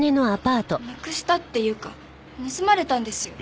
なくしたっていうか盗まれたんですよ。